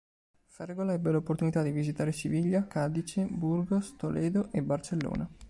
Fergola ebbe l'opportunità di visitare Siviglia, Cadice, Burgos, Toledo e Barcellona.